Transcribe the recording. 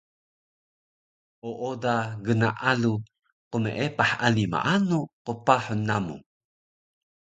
Ooda gnaalu qmeepah ani maanu qpahun namu